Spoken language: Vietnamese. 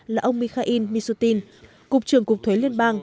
là ông mikhail mishutin cục trưởng cục thuế liên bang